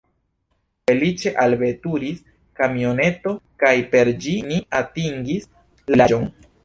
Feliĉe alveturis kamioneto kaj per ĝi ni atingis la vilaĝon.